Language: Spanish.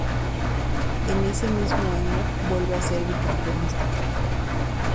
En ese mismo año vuelve a ser bicampeón estatal.